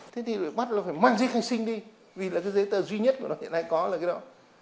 thế thì bắt là phải mang giấy khai sinh đi vì là cái giấy tờ duy nhất của luật hiện nay có là cái đó